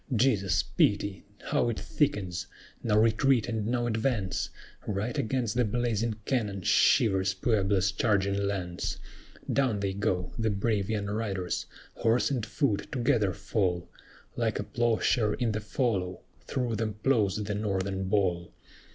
"Jesu, pity! how it thickens! now retreat and now advance! Right against the blazing cannon shivers Puebla's charging lance! Down they go, the brave young riders; horse and foot together fall; Like a ploughshare in the fallow, through them ploughs the Northern ball."